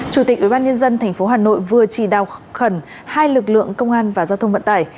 chủ tịch ubnd tp hà nội vừa chỉ đạo khẩn hai lực lượng công an và giao thông vận tải